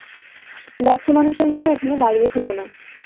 ব্যর্থ মানুষের মত ওখানে দাঁড়িয়ে থেকো না!